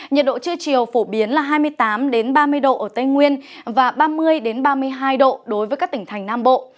nhiệt độ trưa chiều phổ biến là hai mươi tám ba mươi độ ở tây nguyên và ba mươi ba mươi hai độ đối với các tỉnh thành nam bộ